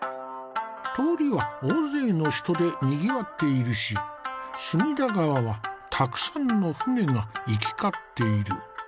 通りは大勢の人でにぎわっているし隅田川はたくさんの舟が行き交っている。